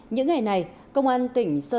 những ngày này công an tỉnh sơn la